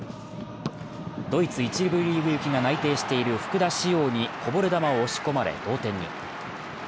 ドイツ１部リーグ行きが内定している福田師王にこぼれ球を押し込まれ、同点に。